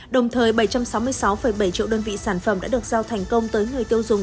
đồng thời bảy trăm sáu mươi sáu bảy triệu đơn vị sản phẩm đã được giao thành công tới người tiêu dùng